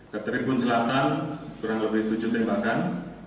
ke tribun selatan kurang lebih tujuh tembakan